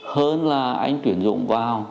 hơn là anh tuyển dụng vào